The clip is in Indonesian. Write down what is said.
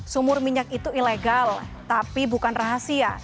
sumur minyak itu ilegal tapi bukan rahasia